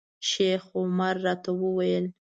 شیخ عمر راته وویل.